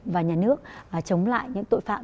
và nhà nước chống lại những tội phạm